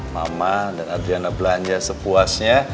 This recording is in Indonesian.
mama dan adriana belanja sepuasnya